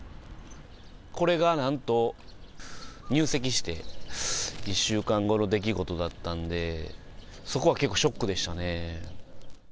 これがなんと、入籍して１週間後の出来事だったんで、そこは結構ショックでしたね。